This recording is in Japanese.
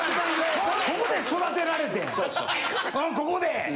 ここで。